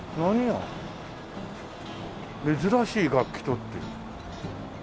「珍しい楽器と」って。